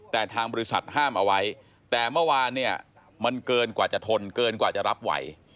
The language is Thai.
แต่ทางบริษัทห้ามเอาไว้แต่เมื่อวานเนี่ยมันเกินกว่าจะทนเกินกว่าจะรับไหว